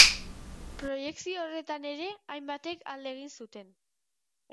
Proiekzio horretan ere, hainbatek alde egin zuten.